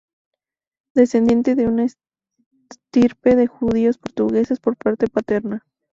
Descendiente de una estirpe de judíos portugueses por parte paterna.